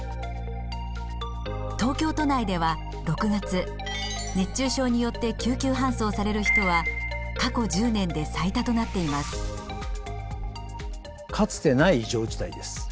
東京都内では６月熱中症によって救急搬送される人は過去１０年で最多となっています。